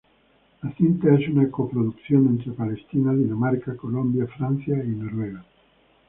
La cinta es una coproducción entre Palestina, Dinamarca, Colombia, Francia y Noruega.